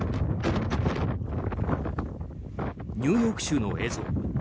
ニューヨーク州の映像。